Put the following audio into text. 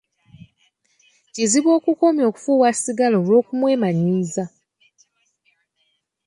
Kizibu okukomya okufuuwa sigala olw'okumwemanyiza.